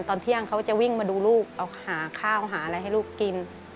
ตอนเที่ยงเขาจะวิ่งมาดูลูกเอาหาข้าวหาอะไรให้ลูกกิน